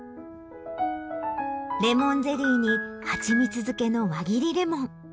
レモンゼリーに蜂蜜漬けの輪切りレモン